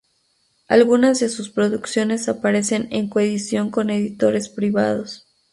Algunas de sus producciones aparecen en coedición con editores privados.